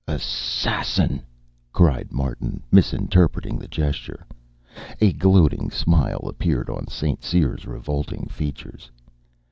"Assassin!" cried Martin, misinterpreting the gesture. A gloating smile appeared on St. Cyr's revolting features.